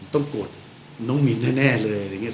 ต้องโกรธน้องมินแน่เลยอะไรอย่างนี้